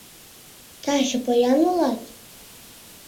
— Таче поян улат?